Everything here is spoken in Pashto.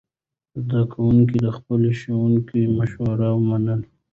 زده کوونکي د خپلو ښوونکو مشورې مني.